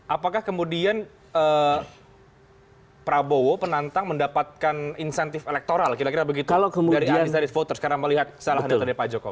apakah kemudian prabowo penantang mendapatkan insentif elektoral kira kira begitu dari undecided voters karena melihat kesalahan data dari pak jokowi